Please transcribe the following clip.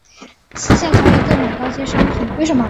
私下交易购买高阶商品